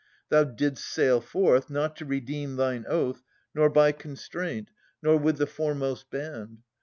Thou didst sail forth, not to redeem thine oath, Nor by constraint, nor with the foremost band.